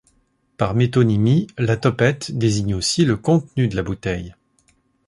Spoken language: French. Par métonymie, la topette désigne aussi le contenu de la bouteille.